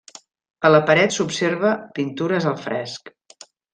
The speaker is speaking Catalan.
A la paret s'observa pintures al fresc.